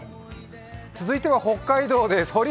続いては北海道です。